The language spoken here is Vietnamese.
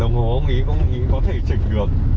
đồng hồ của ông ý ông ý có thể chỉnh được